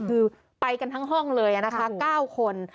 คือไปกันทั้งห้องเลยนะคะ๙คน